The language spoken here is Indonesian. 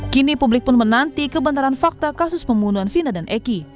kini publik pun menanti kebenaran fakta kasus pembunuhan vina dan eki